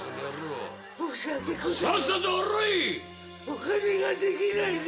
お金ができないんで。